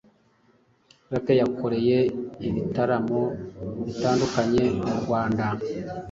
Lucky yakoreye ibitaramo bitandukanye mu Rwanda